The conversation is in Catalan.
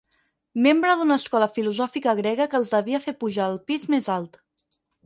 Membre d'una escola filosòfica grega que els devia fer pujar al pis més alt.